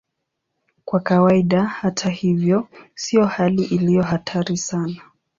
Kwa kawaida, hata hivyo, sio hali iliyo hatari sana.